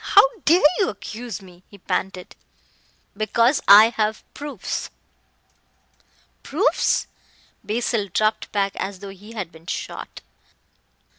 How dare you accuse me?" he panted. "Because I have proofs." "Proofs?" Basil dropped back as though he had been shot.